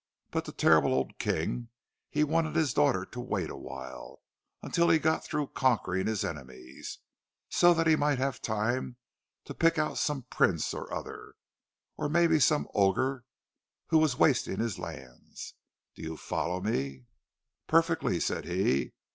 But the terrible old king—he wanted his daughter to wait a while, until he got through conquering his enemies, so that he might have time to pick out some prince or other, or maybe some ogre who was wasting his lands—do you follow me?" "Perfectly," said he.